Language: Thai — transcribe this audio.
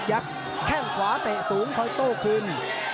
แข้งขวาเตะสูงคอยโต้คืน